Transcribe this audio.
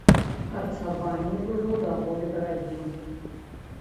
Харчаванне было даволі дарагім.